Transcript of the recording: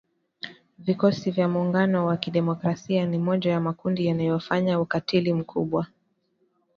Vikosi vya Muungano wa Kidemokrasia ni moja ya makundi yanayofanya ukatili mkubwa.